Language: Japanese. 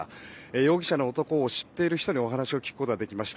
容疑者の男を知っている人にお話を聞くことができました。